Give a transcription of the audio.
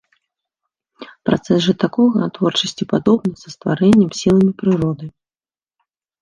Працэс жа такога творчасці падобны са стварэннем сіламі прыроды.